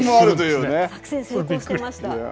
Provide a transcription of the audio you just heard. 作戦成功してました。